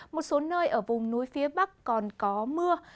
một số nơi ở vùng núi phía bắc còn có mưa